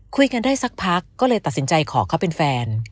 คุยกันได้สักพักก็เลยตัดสินใจขอเขาเป็นแฟน